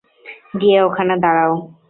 গিয়ে ওখানে দাঁড়াও।